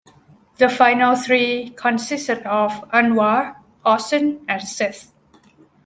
The final three consisted of Anwar, Austen and Seth.